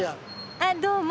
あっどうも。